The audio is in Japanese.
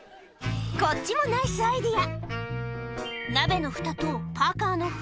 こっちもナイスアイデア